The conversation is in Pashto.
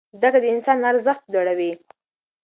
زده کړه د انسان ارزښت لوړوي.